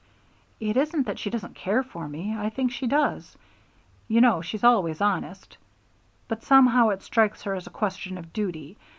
"It isn't that she doesn't care for me. I think she does. You know she's always honest. But somehow it strikes her as a question of duty.